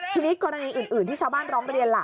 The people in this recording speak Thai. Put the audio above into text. ทีนี้กรณีอื่นที่ชาวบ้านร้องเรียนล่ะ